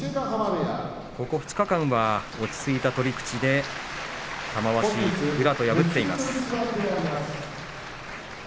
ここ２日間は落ち着いた取り口で玉鷲と宇良を破っています。